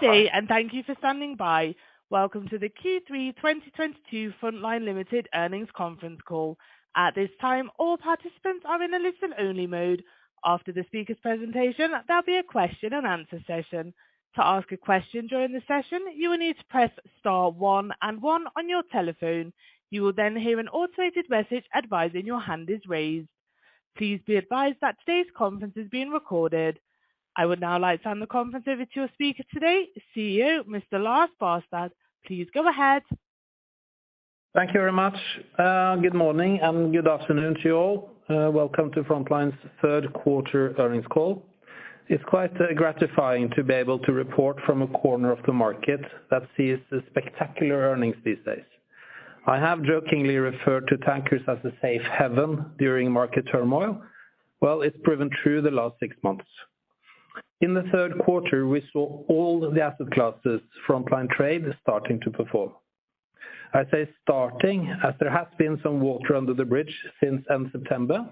Good day. Thank you for standing by. Welcome to the Q3 2022 Frontline Ltd. earnings conference call. At this time, all participants are in a listen-only mode. After the speaker presentation, there'll be a question-and-answer session. To ask a question during the session, you will need to press star 1 and 1 on your telephone. You will hear an automated message advising your hand is raised. Please be advised that today's conference is being recorded. I would now like to hand the conference over to your speaker today, CEO, Mr. Lars Barstad. Please go ahead. Thank you very much. Good morning and good afternoon to you all. Welcome to Frontline's third quarter earnings call. It's quite gratifying to be able to report from a corner of the market that sees the spectacular earnings these days. I have jokingly referred to tankers as a safe haven during market turmoil. Well, it's proven true the last 6 months. In the third quarter, we saw all the asset classes Frontline trade starting to perform. I say starting as there has been some water under the bridge since end September.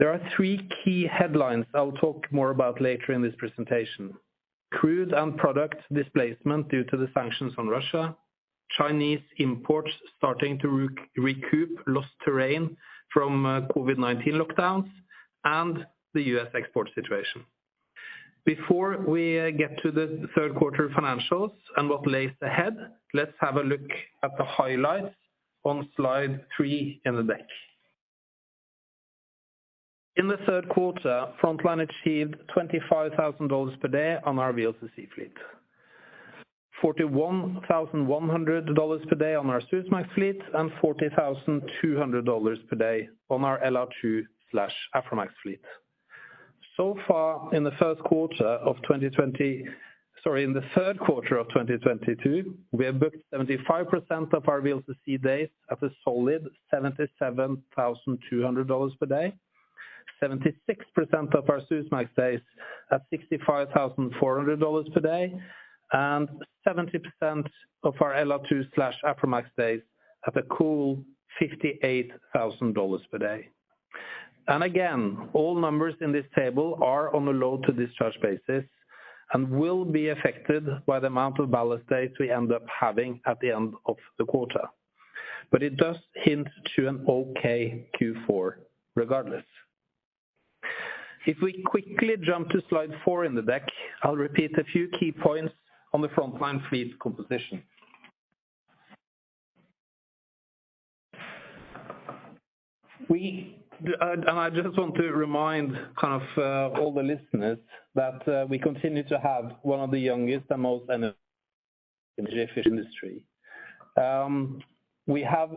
There are 3 key headlines I will talk more about later in this presentation. Crude and product displacement due to the sanctions on Russia, Chinese imports starting to re-recoup lost terrain from COVID-19 lockdowns, and the U.S. export situation. Before we get to the third quarter financials and what lays ahead, let's have a look at the highlights on slide three in the deck. In the third quarter, Frontline achieved $25,000 per day on our VLCC fleet, $41,100 per day on our Supramax fleet, and $40,200 per day on our LR2/Aframax fleet. So far, in the third quarter of 2022, we have booked 75% of our VLCC days at a solid $77,200 per day, 76% of our Supramax days at $65,400 per day, and 70% of our LR2/Aframax days at a cool $58,000 per day. Again, all numbers in this table are on a load-to-discharge basis and will be affected by the amount of ballast days we end up having at the end of the quarter. It does hint to an okay Q4 regardless. If we quickly jump to slide 4 in the deck, I'll repeat a few key points on the Frontline fleet composition. We, and I just want to remind kind of all the listeners that we continue to have one of the youngest and most energy efficient industry. We have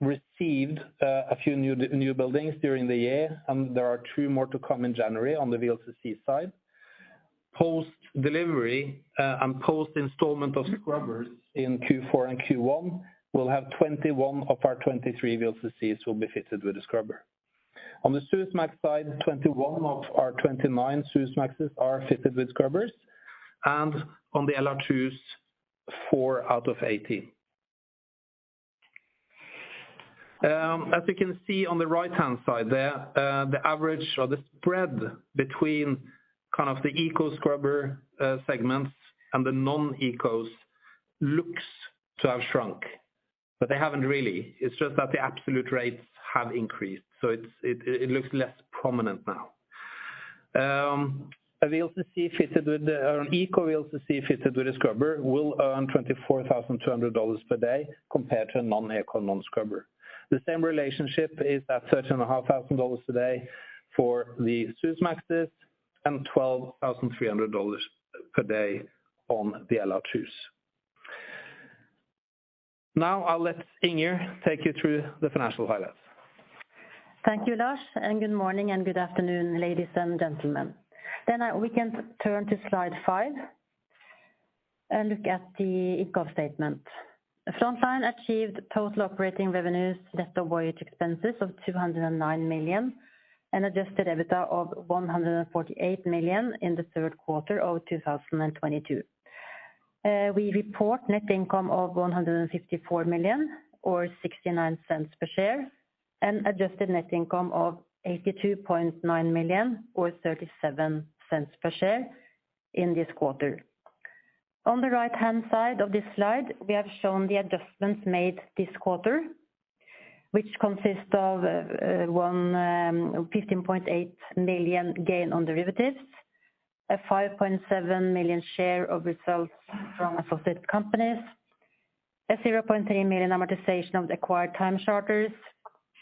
received a few new buildings during the year, and there are 2 more to come in January on the VLCC side. Post delivery, and post installment of scrubbers in Q4 and Q1, we'll have 21 of our 23 VLCCs will be fitted with a scrubber. On the Supramax side, 21 of our 29 Supramaxes are fitted with scrubbers, and on the LR2s, 4 out of 18. As you can see on the right-hand side there, the average or the spread between kind of the eco scrubber segments and the non-ecos looks to have shrunk, but they haven't really. It's just that the absolute rates have increased, so it looks less prominent now. A VLCC or an eco VLCC fitted with a scrubber will earn $24,200 per day compared to a non-eco, non-scrubber. The same relationship is at $30,500 per day for the Supramaxes and $12,300 per day on the LR2s. I'll let Inger take you through the financial highlights. Thank you, Lars, good morning and good afternoon, ladies and gentlemen. We can turn to slide 5 and look at the income statement. Frontline achieved total operating revenues less the voyage expenses of $209 million and adjusted EBITDA of $148 million in the third quarter of 2022. We report net income of $154 million or $0.69 per share and adjusted net income of $82.9 million or $0.37 per share in this quarter. On the right-hand side of this slide, we have shown the adjustments made this quarter, which consist of a $15.8 million gain on derivatives, a $5.7 million share of results from associate companies, a $0.3 million amortization of the acquired time charters,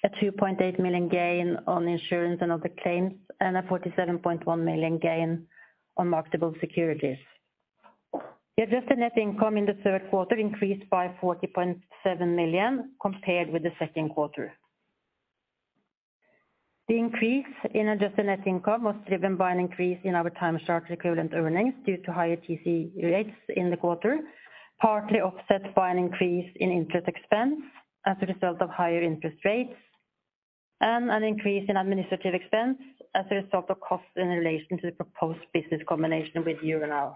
a $2.8 million gain on insurance and other claims, and a $47.1 million gain on marketable securities. The adjusted net income in the third quarter increased by $40.7 million compared with the second quarter. The increase in adjusted net income was driven by an increase in our time charter equivalent earnings due to higher TC rates in the quarter, partly offset by an increase in interest expense as a result of higher interest rates and an increase in administrative expense as a result of costs in relation to the proposed business combination with Euronav.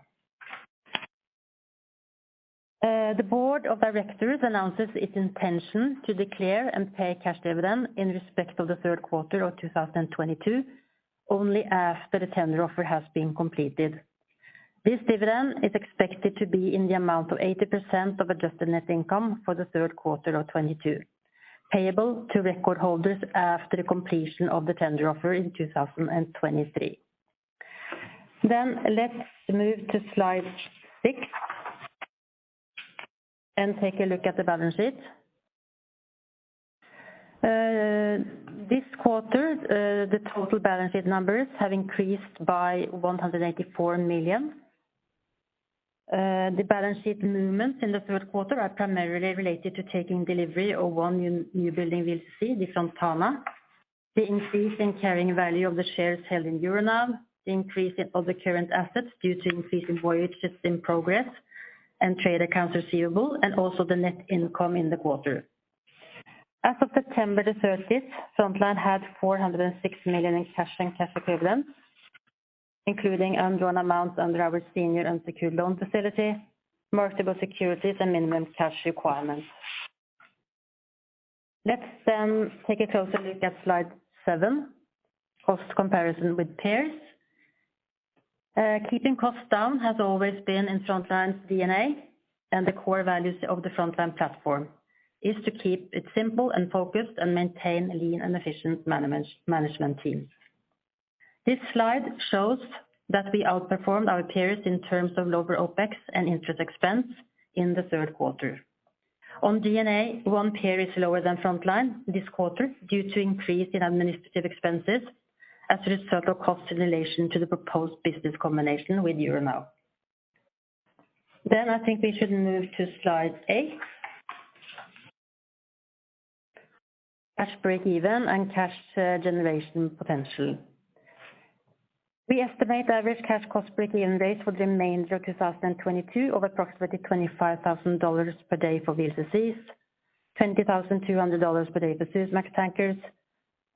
The board of directors announces its intention to declare and pay cash dividend in respect of the third quarter of 2022, only after the tender offer has been completed. This dividend is expected to be in the amount of 80% of adjusted net income for the third quarter of 2022. Payable to record holders after the completion of the tender offer in 2023. Let's move to slide 6 and take a look at the balance sheet. This quarter, the total balance sheet numbers have increased by $184 million. The balance sheet movements in the third quarter are primarily related to taking delivery of one newbuilding VLCC, the Front Stratus. The increase in carrying value of the shares held in Euronav, the increase in all the current assets due to increase in voyages in progress and trade accounts receivable, and also the net income in the quarter. As of September 13th, Frontline had $406 million in cash and cash equivalents, including undrawn amounts under our senior unsecured loan facility, marketable securities and minimum cash requirements. Let's take a closer look at slide 7. Cost comparison with peers. Keeping costs down has always been in Frontline's DNA, and the core values of the Frontline platform is to keep it simple and focused and maintain a lean and efficient management team. This slide shows that we outperformed our peers in terms of lower OpEx and interest expense in the third quarter. On D&A, one peer is lower than Frontline this quarter due to increase in administrative expenses as a result of cost in relation to the proposed business combination with Euronav. I think we should move to slide 8. Cash break-even and cash generation potential. We estimate average cash cost break-even days for the remainder of 2022 of approximately $25,000 per day for VLCCs, $20,200 per day for Supramax tankers,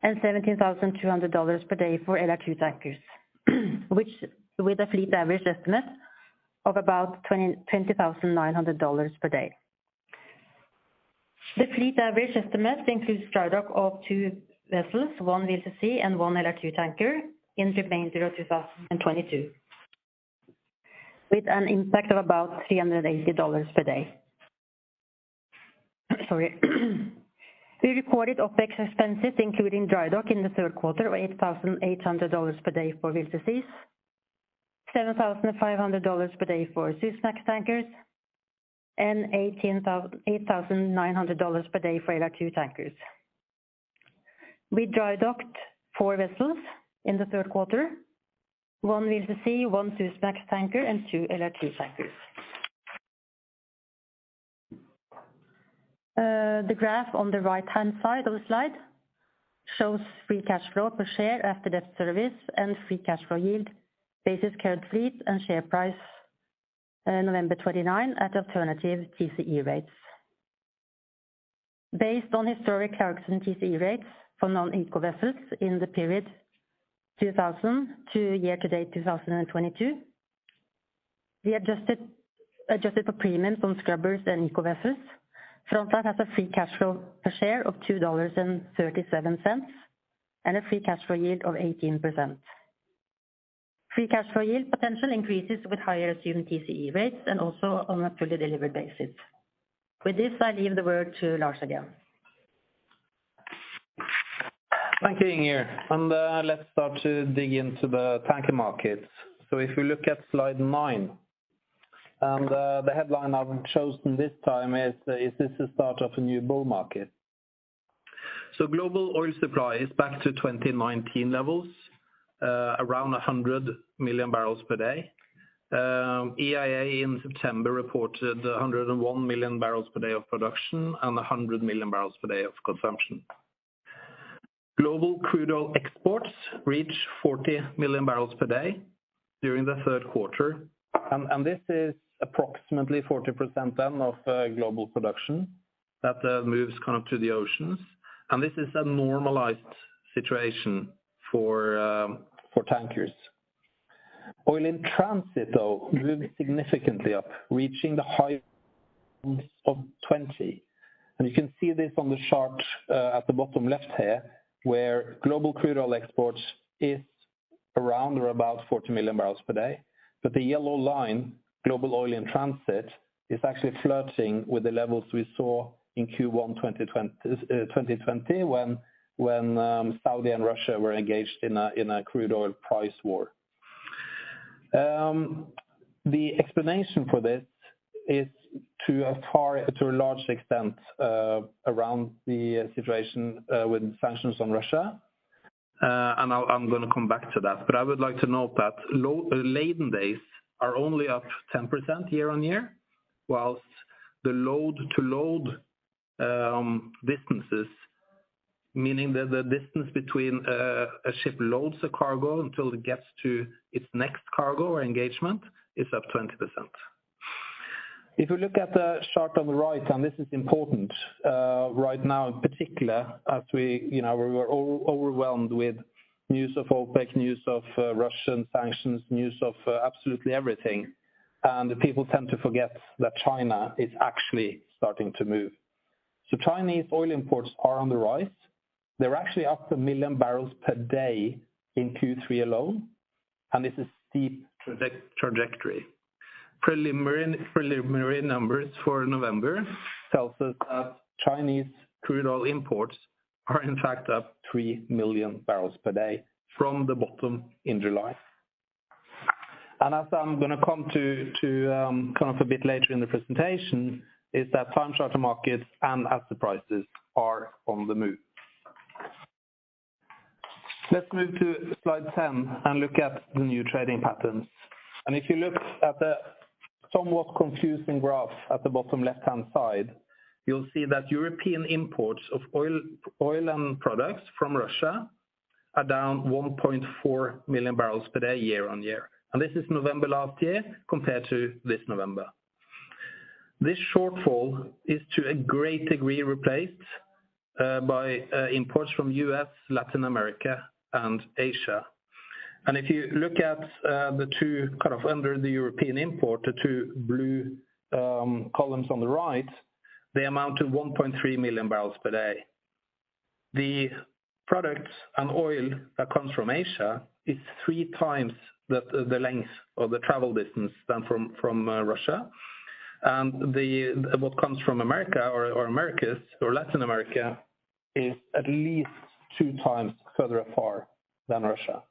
and $17,200 per day for LR2 tankers which with a fleet average estimate of about $20,900 per day. The fleet average estimate includes drydock of 2 vessels, 1 VLCC and 1 LR2 tanker in the remainder of 2022, with an impact of about $380 per day. Sorry. We recorded OpEx expenses including drydock in the third quarter of $8,800 per day for VLCCs, $7,500 per day for Supramax tankers, and $8,900 per day for LR2 tankers. We drydocked 4 vessels in the third quarter, one VLCC, one Supramax tanker, and two LR2 tankers. The graph on the right-hand side of the slide shows free cash flow per share after debt service and free cash flow yield bases current fleet and share price, November 29 at alternative TCE rates. Based on historic character and TCE rates for non-eco vessels in the period 2,000 to year to date 2022, we adjusted for premium from scrubbers and eco vessels. Frontline has a free cash flow per share of $2.37, and a free cash flow yield of 18%. Free cash flow yield potential increases with higher assumed TCE rates and also on a fully delivered basis. With this, I leave the word to Lars again. Thank you, Inger. Let's start to dig into the tanker markets. If we look at slide 9, the headline I've chosen this time is this the start of a new bull market? Global oil supply is back to 2019 levels, around 100 million barrels per day. EIA in September reported 101 million barrels per day of production and 100 million barrels per day of consumption. Global crude oil exports reached 40 million barrels per day during the third quarter. This is approximately 40% then of global production that moves kind of to the oceans. This is a normalized situation for tankers. Oil in transit, though, moved significantly up, reaching the high of 20. You can see this on the chart, at the bottom left here, where global crude oil exports is around or about 40 million barrels per day. The yellow line, global oil in transit, is actually flirting with the levels we saw in Q1 2020 when Saudi and Russia were engaged in a crude oil price war. The explanation for this is to a large extent, around the situation, with sanctions on Russia. I'm gonna come back to that. I would like to note that laden days are only up 10% year-on-year, whilst the load-to-load, distances, meaning the distance between a ship loads a cargo until it gets to its next cargo or engagement is up 20%. If you look at the chart on the right, and this is important, right now in particular, as we, you know, we're overwhelmed with news of OPEC, news of Russian sanctions, news of absolutely everything. People tend to forget that China is actually starting to move. So Chinese oil imports are on the rise. They're actually up 1 million barrels per day in Q3 alone, and it's a steep trajectory. Preliminary numbers for November tells us that Chinese crude oil imports are in fact up 3 million barrels per day from the bottom in July. As I'm gonna come to, kind of a bit later in the presentation, is that time charter markets and asset prices are on the move. Let's move to slide 10 and look at the new trading patterns. The somewhat confusing graph at the bottom left-hand side, you will see that European imports of oil and products from Russia are down 1.4 million barrels per day year-on-year. This is November last year compared to this November. This shortfall is to a great degree replaced by imports from U.S., Latin America, and Asia. If you look at the two kind of under the European import, the two blue columns on the right, they amount to 1.3 million barrels per day. The products and oil that comes from Asia is three times the length of the travel distance than from Russia. What comes from America or Americas or Latin America is at least two times further afar than Russia.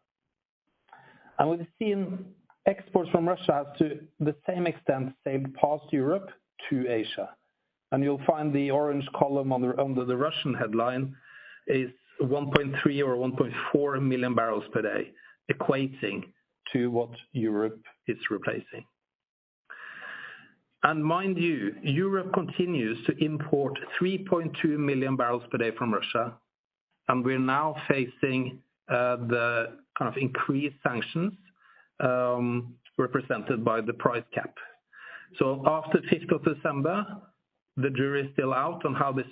We've seen exports from Russia to the same extent, same path to Europe, to Asia, and you'll find the orange column under the Russian headline is 1.3 or 1.4 million barrels per day, equating to what Europe is replacing. Mind you, Europe continues to import 3.2 million barrels per day from Russia, and we're now facing the kind of increased sanctions represented by the price cap. After 5th of December, the jury is still out on how this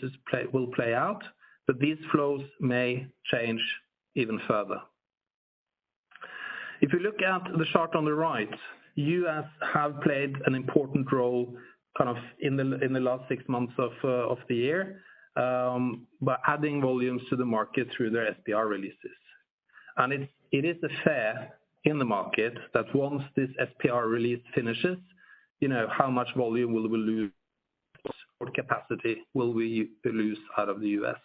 will play out, but these flows may change even further. If you look at the chart on the right, U.S. have played an important role kind of in the last 6 months of the year by adding volumes to the market through their SPR releases. It, it is the fair in the market that once this SPR release finishes, you know how much volume will we lose or capacity will we lose out of the U.S.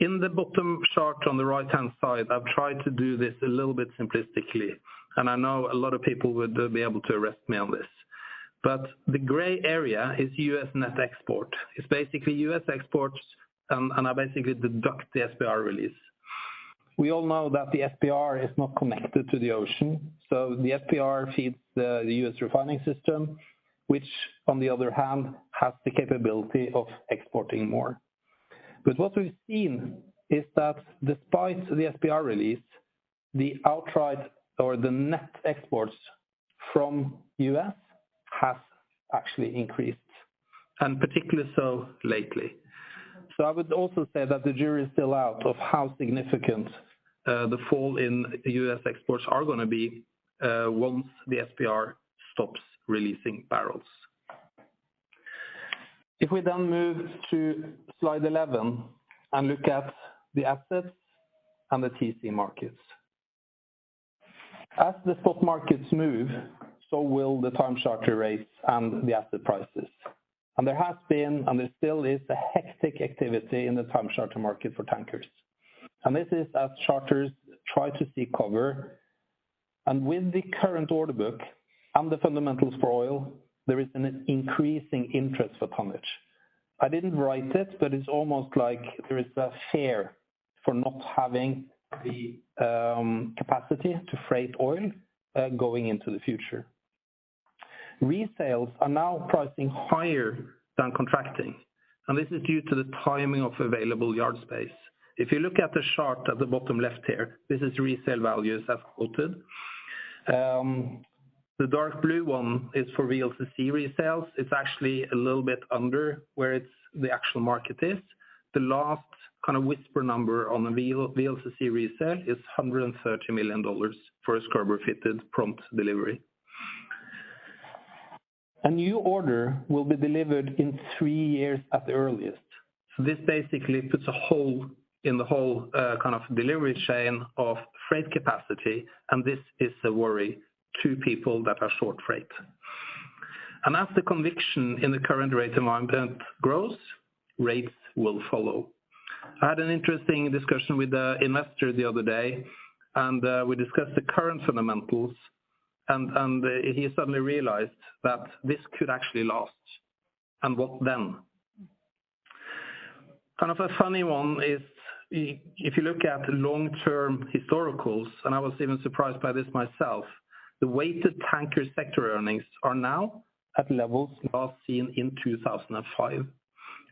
In the bottom chart on the right-hand side, I've tried to do this a little bit simplistically, and I know a lot of people would be able to arrest me on this. The gray area is U.S. net export. It's basically U.S. exports and I basically deduct the SPR release. We all know that the SPR is not connected to the ocean. The SPR feeds the U.S. refining system, which on the other hand has the capability of exporting more. What we've seen is that despite the SPR release, the outright or the net exports from U.S. has actually increased, and particularly so lately. I would also say that the jury is still out of how significant the fall in U.S. exports are gonna be once the SPR stops releasing barrels. If we then move to slide 11 and look at the assets and the TC markets. As the spot markets move, so will the time charter rates and the asset prices. There has been, and there still is a hectic activity in the time charter market for tankers. This is as charters try to seek cover. With the current order book and the fundamentals for oil, there is an increasing interest for tonnage. I didn't write it, but it's almost like there is a fear for not having the capacity to freight oil going into the future. Resales are now pricing higher than contracting, and this is due to the timing of available yard space. If you look at the chart at the bottom left here, this is resale values as quoted. The dark blue one is for VLCC resales. It's actually a little bit under where it's the actual market is. The last kind of whisper number on a VLCC resale is $130 million for a scrubber-fitted prompt delivery. A new order will be delivered in 3 years at the earliest, so this basically puts a hole in the whole kind of delivery chain of freight capacity, and this is a worry to people that are short freight. As the conviction in the current rate environment grows, rates will follow. I had an interesting discussion with a investor the other day, and we discussed the current fundamentals, and he suddenly realized that this could actually last, and what then? Kind of a funny one is if you look at long-term historicals, and I was even surprised by this myself, the weighted tanker sector earnings are now at levels last seen in 2005.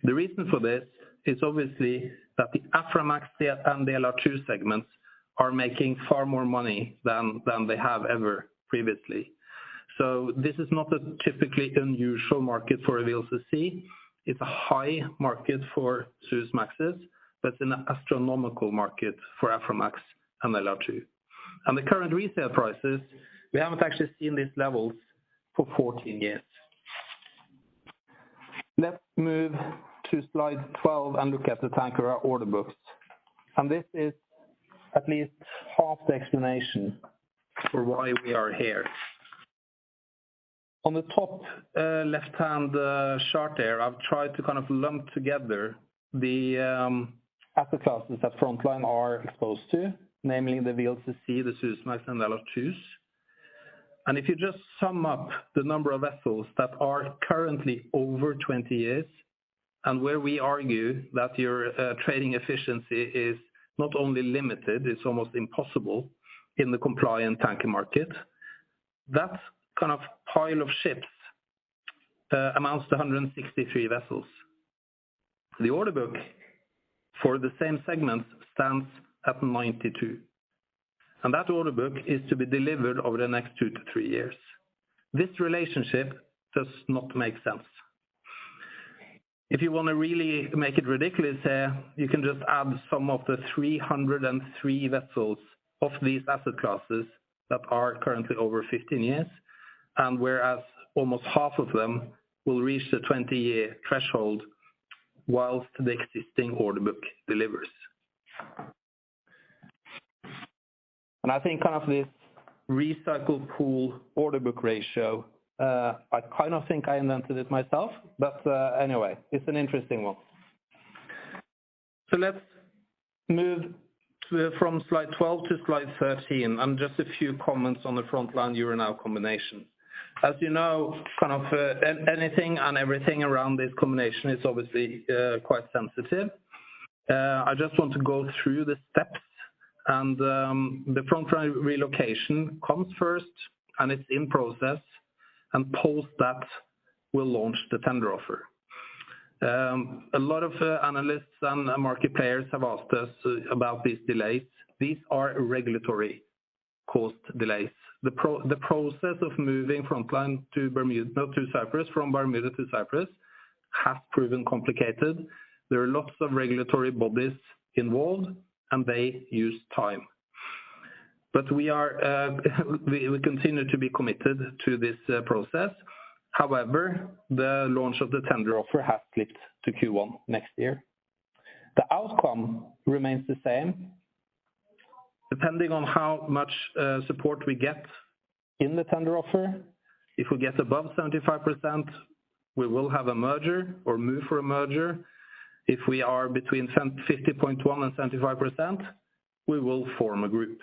The reason for this is obviously that the Aframax, the, and the LR2 segments are making far more money than they have ever previously. This is not a typically unusual market for a VLCC. It's a high market for Supramaxes, but an astronomical market for Aframax and LR2. The current resale prices, we haven't actually seen these levels for 14 years. Let's move to slide 12 and look at the Tanker order books. This is at least half the explanation for why we are here. On the top, left-hand chart there, I've tried to kind of lump together the asset classes that Frontline are exposed to. Namely, the VLCC, the Supramax, and the LR2s. If you just sum up the number of vessels that are currently over 20 years, and where we argue that your trading efficiency is not only limited, it's almost impossible in the compliant tanker market. That kind of pile of ships amounts to 163 vessels. The order book for the same segment stands at 92, and that order book is to be delivered over the next 2-3 years. This relationship does not make sense. If you wanna really make it ridiculous there, you can just add some of the 303 vessels of these asset classes that are currently over 15 years, and whereas almost half of them will reach the 20-year threshold whilst the existing order book delivers. I think half this recycled pool order book ratio, I kind of think I invented it myself, anyway, it's an interesting one. Let's move to, from slide 12 to slide 13, and just a few comments on the Frontline Euronav combination. As you know, kind of, anything and everything around this combination is obviously quite sensitive. I just want to go through the steps and the Frontline relocation comes first, and it's in process, and post that will launch the tender offer. A lot of analysts and market players have asked us about these delays. These are regulatory-caused delays. The process of moving Frontline to Cyprus, from Bermuda to Cyprus, has proven complicated. There are lots of regulatory bodies involved, and they use time. We continue to be committed to this process. However, the launch of the tender offer has slipped to Q1 next year. The outcome remains the same depending on how much support we get in the tender offer. If we get above 75%, we will have a merger or move for a merger. If we are between 50.1 and 75%, we will form a group.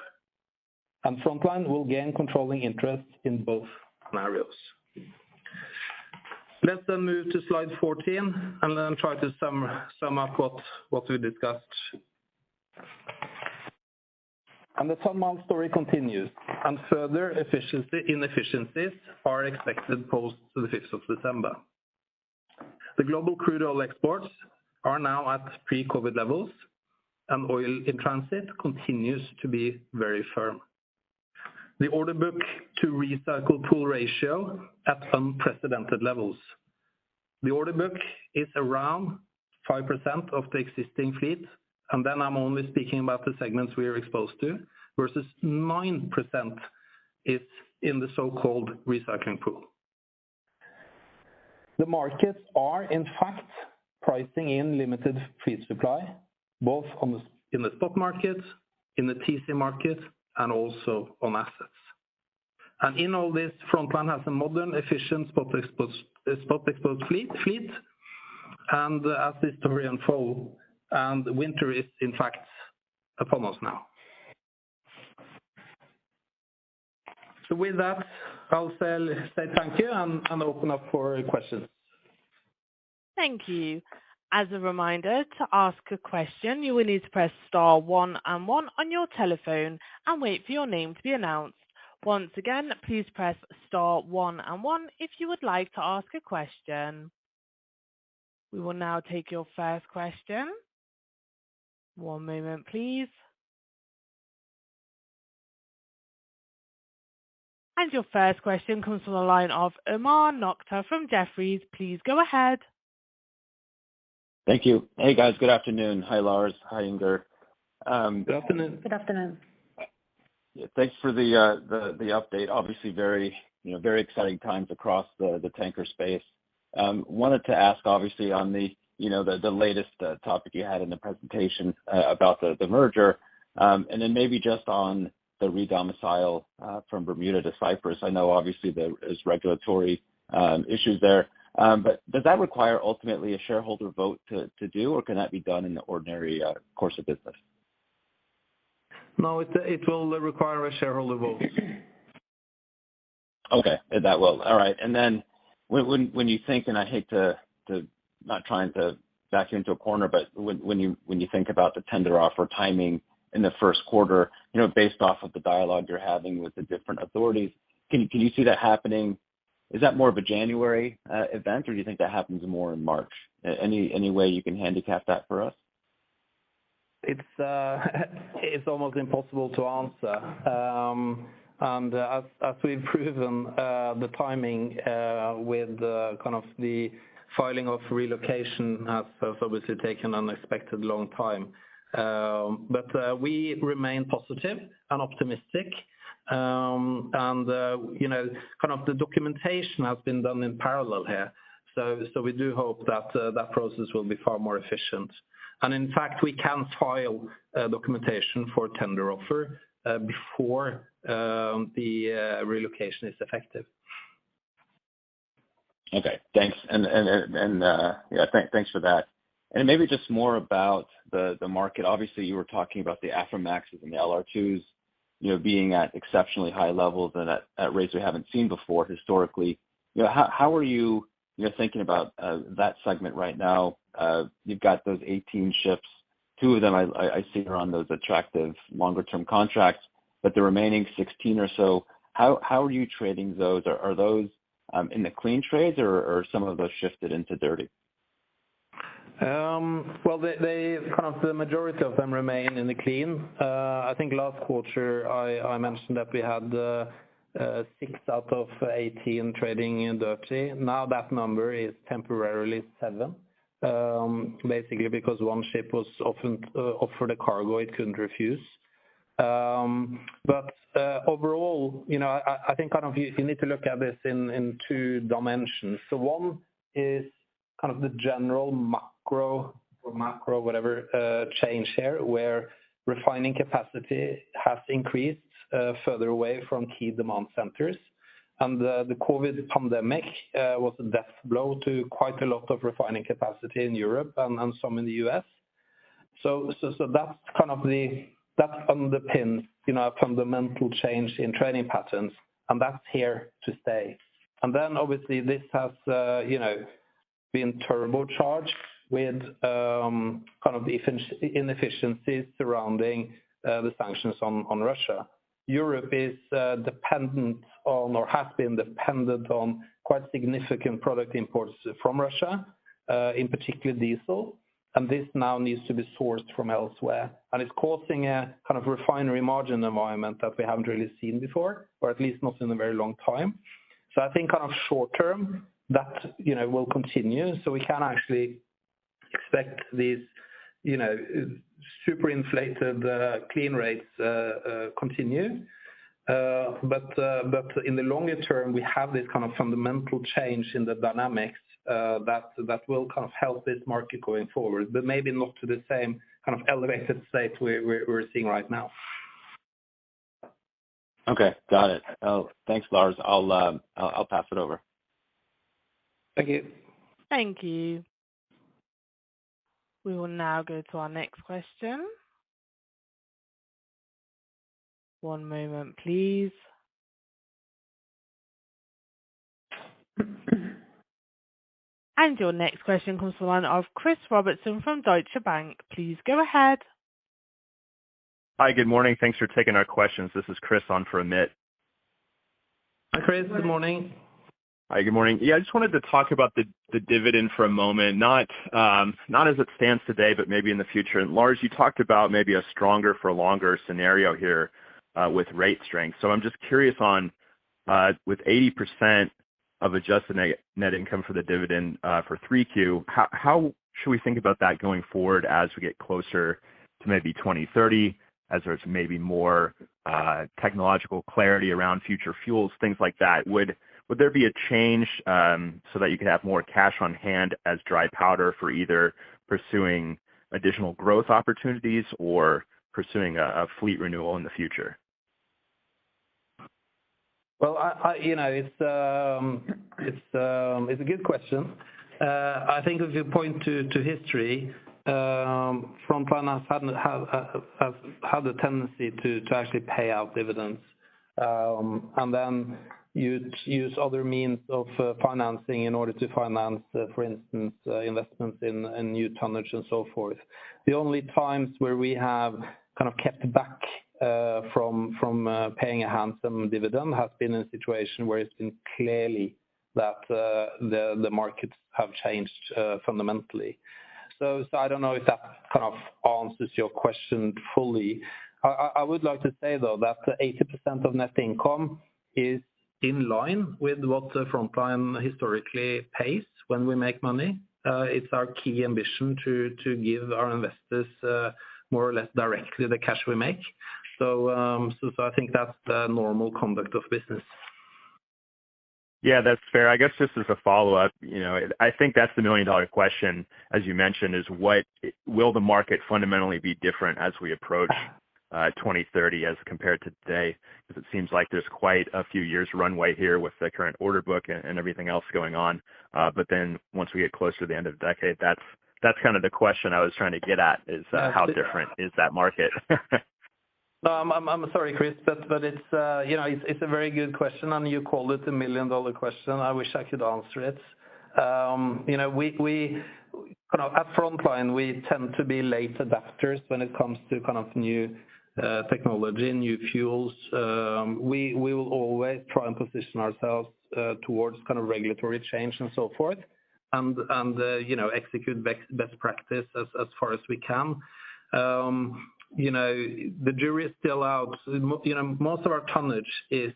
Frontline will gain controlling interest in both scenarios. Let's then move to slide 14 and try to sum up what we discussed. The ton mile story continues, and further inefficiencies are expected post December 5th. The global crude oil exports are now at pre-COVID levels, and oil in transit continues to be very firm. The order book to recycle pool ratio at unprecedented levels. The order book is around 5% of the existing fleet, and then I'm only speaking about the segments we are exposed to versus 9% is in the so-called recycling pool. The markets are, in fact, pricing in limited fleet supply, both in the spot market, in the TC market, and also on assets. In all this, Frontline has a modern, efficient spot exposed fleet and as history unfolds and winter is in fact upon us now. With that, I'll say thank you and open up for questions. Thank you. As a reminder, to ask a question, you will need to press star one and one on your telephone and wait for your name to be announced. Once again, please press star one and one if you would like to ask a question. We will now take your first question. One moment, please. Your first question comes from the line of Omar Nokta from Jefferies. Please go ahead. Thank you. Hey, guys. Good afternoon. Hi, Lars. Hi, Inger. Good afternoon. Good afternoon. Thanks for the update. Obviously very, you know, very exciting times across the tanker space. Wanted to ask obviously on the, you know, the latest topic you had in the presentation about the merger. Maybe just on the re-domicile from Bermuda to Cyprus. I know obviously there is regulatory issues there. Does that require ultimately a shareholder vote to do or can that be done in the ordinary course of business? No, it will require a shareholder vote. Okay. That will. All right. Then when you think, and I hate not trying to back you into a corner, but when you think about the tender offer timing in the first quarter, you know, based off of the dialogue you're having with the different authorities, can you see that happening? Is that more of a January event, or do you think that happens more in March? Any way you can handicap that for us? It's, it's almost impossible to answer. As, as we've proven, the timing With the kind of the filing of relocation has obviously taken unexpected long time. We remain positive and optimistic. You know, kind of the documentation has been done in parallel here. We do hope that process will be far more efficient. In fact, we can file documentation for tender offer before the relocation is effective. Okay, thanks. And, yeah, thanks for that. Maybe just more about the market. Obviously, you were talking about the Aframaxes and the LR2s, you know, being at exceptionally high levels and at rates we haven't seen before historically. You know, how are you know, thinking about that segment right now? You've got those 18 ships, two of them I see are on those attractive longer term contracts, but the remaining 16 or so, how are you trading those? Are those in the clean trades, or some of those shifted into dirty? Well, they... Kind of the majority of them remain in the clean. I think last quarter, I mentioned that we had 6 out of 18 trading in dirty. Now that number is temporarily 7, basically because one ship was often offered a cargo it couldn't refuse. Overall, you know, I think kind of you need to look at this in two dimensions. One is kind of the general macro or macro, whatever, change here, where refining capacity has increased further away from key demand centers. The COVID-19 pandemic was a death blow to quite a lot of refining capacity in Europe and some in the U.S. That's kind of the-- that underpins, you know, a fundamental change in trading patterns, and that's here to stay. Obviously this has, you know, been turbocharged with kind of the inefficiencies surrounding the sanctions on Russia. Europe is dependent on or has been dependent on quite significant product imports from Russia, in particular diesel, and this now needs to be sourced from elsewhere. It's causing a kind of refinery margin environment that we haven't really seen before, or at least not in a very long time. I think kind of short term that, you know, will continue. We can actually expect these, you know, super inflated clean rates continue. In the longer term, we have this kind of fundamental change in the dynamics that will kind of help this market going forward, but maybe not to the same kind of elevated state we're seeing right now. Okay. Got it. Thanks, Lars. I'll pass it over. Thank you. Thank you. We will now go to our next question. One moment please. Your next question comes to the line of Chris Robertson from Deutsche Bank. Please go ahead. Hi, good morning. Thanks for taking our questions. This is Chris on for Amit. Hi, Chris. Good morning. Hi, good morning. Yeah, I just wanted to talk about the dividend for a moment, not as it stands today, but maybe in the future. Lars, you talked about maybe a stronger for longer scenario here with rate strength. I'm just curious on with 80% of adjusted net income for the dividend for 3Q, how should we think about that going forward as we get closer to maybe 2030, as there's maybe more technological clarity around future fuels, things like that? Would there be a change so that you could have more cash on hand as dry powder for either pursuing additional growth opportunities or pursuing a fleet renewal in the future? Well, I, you know, it's a good question. I think if you point to history, Frontline has had, has the tendency to actually pay out dividends. Then you'd use other means of financing in order to finance, for instance, investments in new tonnage and so forth. The only times where we have kind of kept back from paying a handsome dividend has been in a situation where it's been clearly that the markets have changed fundamentally. I don't know if that kind of answers your question fully. I would like to say though that 80% of net income is in line with what Frontline historically pays when we make money. It's our key ambition to give our investors more or less directly the cash we make. I think that's the normal conduct of business. Yeah, that's fair. I guess just as a follow-up, you know, I think that's the million-dollar question, as you mentioned, is will the market fundamentally be different as we approach 2030 as compared to today? It seems like there's quite a few years runway here with the current order book and everything else going on. Then once we get closer to the end of the decade, that's kind of the question I was trying to get at is. Yeah. How different is that market? No, I'm sorry, Chris, but it's, you know, it's a very good question, and you called it the million-dollar question. I wish I could answer it. You know, we at Frontline, we tend to be late adapters when it comes to kind of new technology, new fuels. We will always try and position ourselves towards kind of regulatory change and so forth. You know, execute best practice as far as we can. You know, the jury is still out. You know, most of our tonnage is,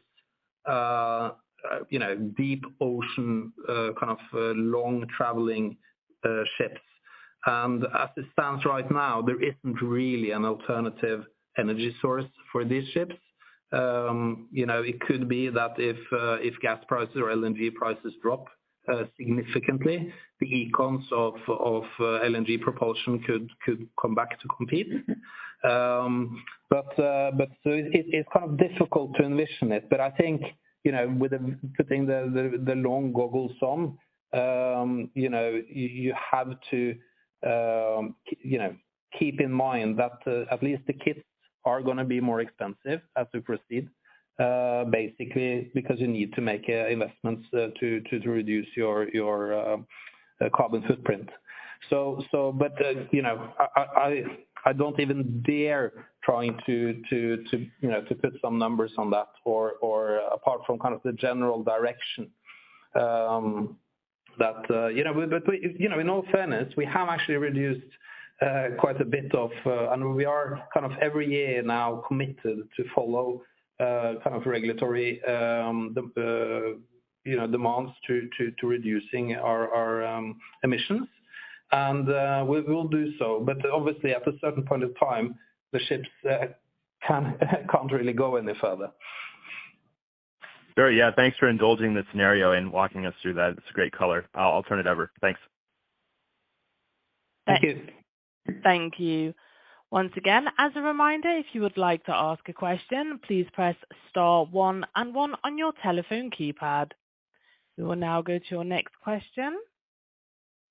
deep ocean, kind of, long-traveling ships. And as it stands right now, there isn't really an alternative energy source for these ships. You know, it could be that if gas prices or LNG prices drop significantly, the econs of LNG propulsion could come back to compete. It's kind of difficult to envision it. I think, you know, with putting the long goggles on, you know, you have to, you know, keep in mind that at least the kits are gonna be more expensive as we proceed, basically because you need to make investments to reduce your carbon footprint. You know, I don't even dare trying to, you know, to put some numbers on that apart from kind of the general direction. That, you know, but, you know, in all fairness, we have actually reduced, and we are kind of every year now committed to follow, kind of regulatory, you know, demands to reducing our emissions. We will do so. Obviously, after a certain point of time, the ships can't really go any further. Sure. Yeah, thanks for indulging the scenario and walking us through that. It's a great color. I'll turn it over. Thanks. Thank you. Thank you. Once again, as a reminder, if you would like to ask a question, please press star one and one on your telephone keypad. We will now go to your next question.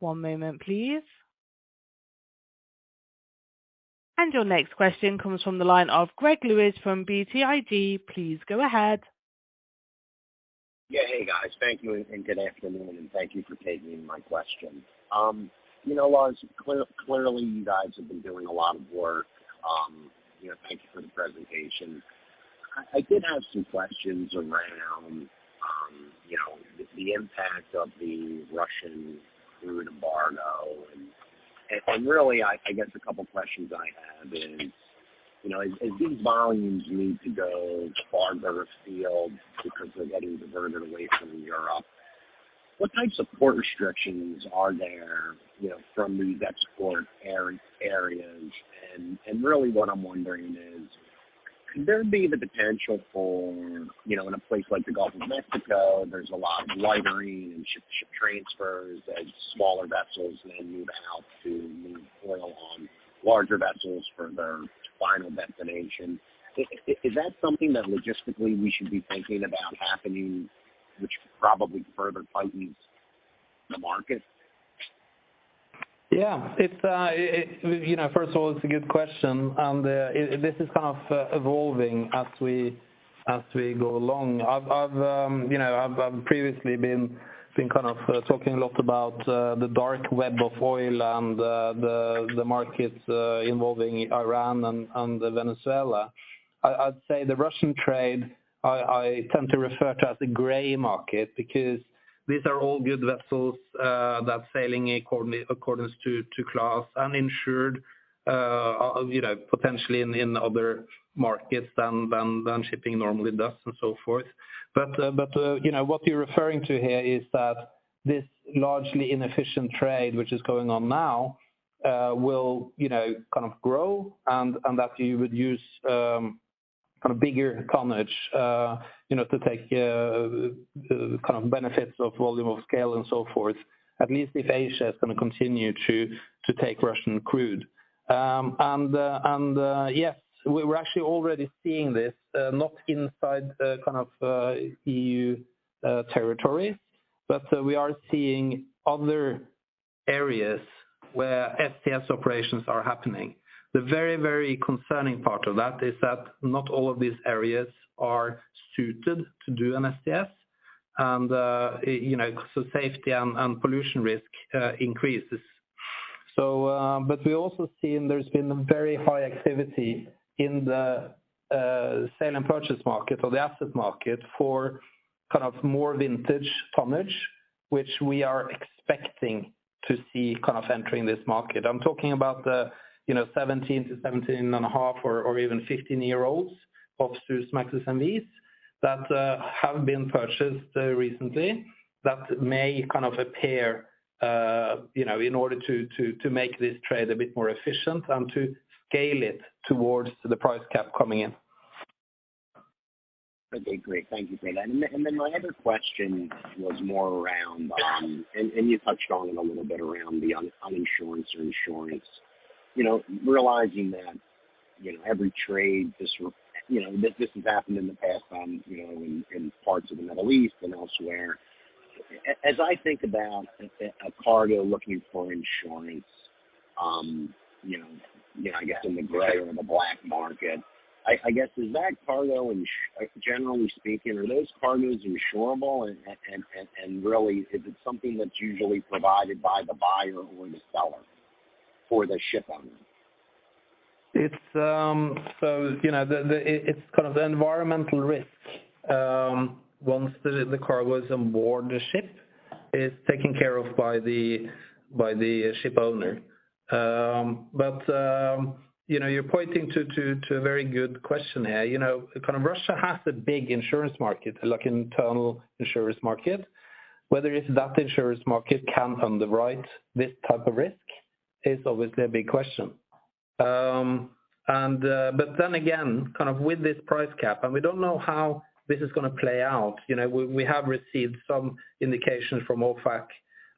One moment, please. Your next question comes from the line of Greg Lewis from BTIG. Please go ahead. Yeah. Hey, guys. Thank you, and good afternoon, and thank you for taking my question. you know, Lars, clearly, you guys have been doing a lot of work. you know, thank you for the presentation. I did have some questions around, you know, the impact of the Russian crude embargo. Really, I guess a couple questions I have is, you know, as these volumes need to go farther afield because they're getting diverted away from Europe, what types of port restrictions are there, you know, from these export areas? Really, what I'm wondering is could there be the potential for, you know, in a place like the Gulf of Mexico, there's a lot of lightering and ship transfers as smaller vessels then move out to move oil on larger vessels for their final destination. Is that something that logistically we should be thinking about happening, which probably further tightens the market? Yeah. It's, you know, first of all, it's a good question, and this is kind of evolving as we go along. I've, you know, I've previously been kind of talking a lot about the dark fleet of oil and the markets involving Iran and Venezuela. I'd say the Russian trade, I tend to refer to as the gray market because these are all good vessels that's sailing accordance to class and insured, you know, potentially in other markets than shipping normally does and so forth. You know, what you're referring to here is that this largely inefficient trade which is going on now, will, you know, kind of grow and that you would use, kind of bigger tonnage, you know, to take, kind of benefits of volume of scale and so forth, at least if Asia is going to continue to take Russian crude. Yes, we're actually already seeing this, not inside the kind of, EU territory, but we are seeing other areas where STS operations are happening. The very concerning part of that is that not all of these areas are suited to do an STS and, you know, so safety and pollution risk increases. We also seen there's been very high activity in the sale and purchase market or the asset market for kind of more vintage tonnage, which we are expecting to see kind of entering this market. I'm talking about the, you know, 17 to 17.5 or even 15-year-olds of Supramax and VLCCs that have been purchased recently that may kind of appear, you know, in order to make this trade a bit more efficient and to scale it towards the price cap coming in. Okay. Great. Thank you for that. My other question was more around, and you touched on it a little bit around the uninsurance or insurance. You know, realizing that, you know, every trade this has happened in the past, in parts of the Middle East and elsewhere. As I think about a cargo looking for insurance, I guess in the gray or the black market, I guess is that cargo generally speaking, are those cargoes insurable and really is it something that's usually provided by the buyer or the seller for the shipment? It's, you know, kind of the environmental risk, once the cargo is on board the ship is taken care of by the ship owner. You know, you're pointing to a very good question here. You know, kind of Russia has a big insurance market, like internal insurance market. Whether if that insurance market can underwrite this type of risk is obviously a big question. Kind of with this price cap, and we don't know how this is gonna play out. You know, we have received some indications from OFAC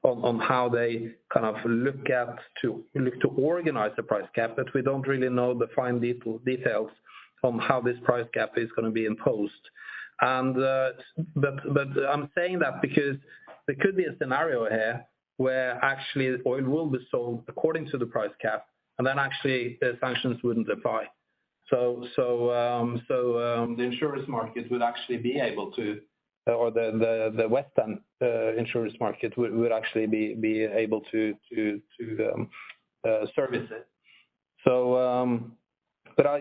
on how they kind of look to organize the price cap. We don't really know the fine details on how this price cap is gonna be imposed. I'm saying that because there could be a scenario here where actually oil will be sold according to the price cap, and then actually the sanctions wouldn't apply. The western insurance market would actually be able to service it.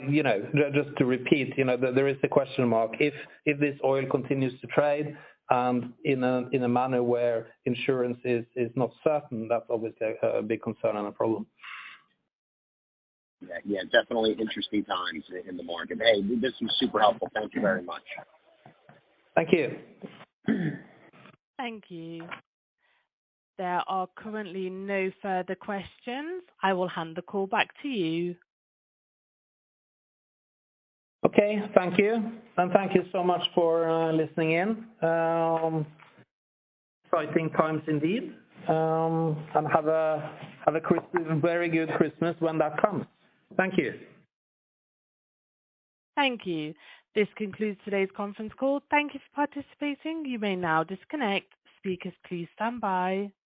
You know, just to repeat, you know, there is the question mark. If this oil continues to trade in a manner where insurance is not certain, that's obviously a big concern and a problem. Yeah. Yeah, definitely interesting times in the market. Hey, this was super helpful. Thank you very much.b Thank you. Thank you. There are currently no further questions. I will hand the call back to you. Okay, thank you. Thank you so much for listening in. Exciting times indeed. Have a very good Christmas when that comes. Thank you. Thank you. This concludes today's conference call. Thank you for participating. You may now disconnect. Speakers, please stand by.